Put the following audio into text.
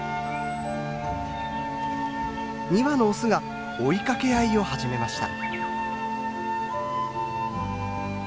２羽のオスが追いかけ合いを始めました。